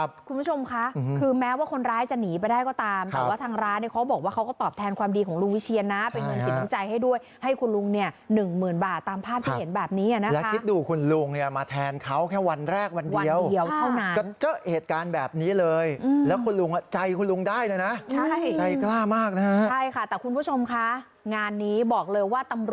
พยายามเข้าไปขวางดึงขาแต่มันไม่เห็นหรอกว่าคนร้ายพกปืนมาหรือเปล่า